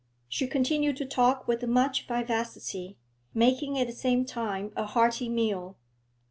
She continued to talk with much vivacity, making at the same time a hearty meal.